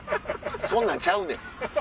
そんなんちゃうねん。